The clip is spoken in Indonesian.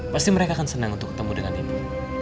pasti mereka akan senang untuk ketemu dengan ibu